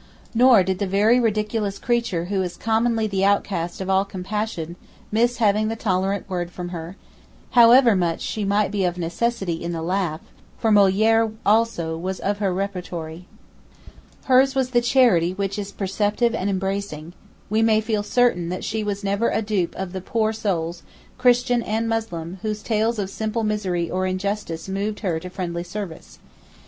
Nor did the very ridiculous creature who is commonly the outcast of all compassion miss having the tolerant word from her, however much she might be of necessity in the laugh, for Molière also was of her repertory. Hers was the charity which is perceptive and embracing: we may feel certain that she was never a dupe of the poor souls, Christian and Muslim, whose tales of simple misery or injustice moved her to friendly service.